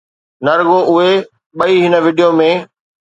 نه رڳو اهي ٻئي هن وڊيو ۾